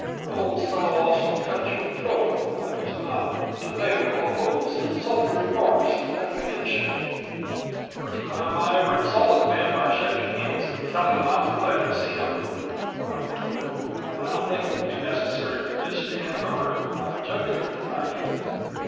That old Siwash'll cut your throat, like as not, to pay for all those insulting remarks and that hand shake." "First time I ever insulted a man by shaking hands and telling him I was glad to see him," I retorted. "And I don't think it will be necessary for you to stand guard over my jugular to night, either.